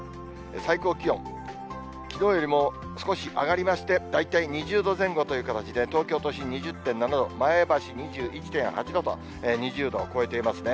最高気温、きのうよりも少し上がりまして、大体２０度前後という形で、東京都心２０．７度、前橋２１．８度と、２０度を超えていますね。